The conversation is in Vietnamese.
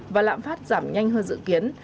và lạm phát giảm nhanh hơn dự kiến